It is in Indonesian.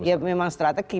ya memang strategi